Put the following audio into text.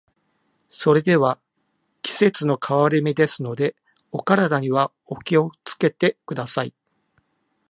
それでは、季節の変わり目ですので、お体にはお気を付けください。